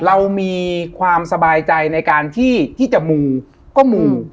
เรามีความสบายใจในการที่จะมูก็มู